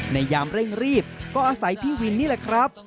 ยามเร่งรีบก็อาศัยพี่วินนี่แหละครับ